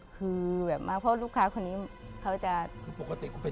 เพราะลูกค้าคนนี้เขาจะสนุก